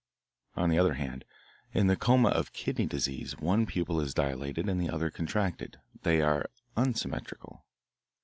"On the other hand, in the coma of kidney disease one pupil is dilated and the other contracted they are unsymmetrical.